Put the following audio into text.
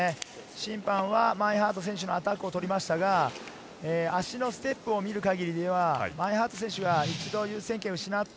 審判はマインハート選手のアタックを取りましたが、足のステップを見る限りでは、マインハート選手が一度、優先権を失った